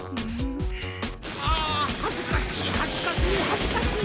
あはずかしいはずかしいはずかしい。